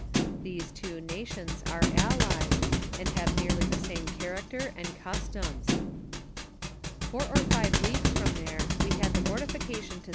These two nations are allies, and have nearly the same character and customs. Four or five leagues from there, we bad the mortification iii 206 KARRATIVK OP TATHEB DOTIAT.